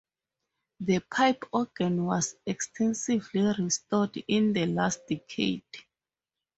The pipe organ was extensively restored in the last decade.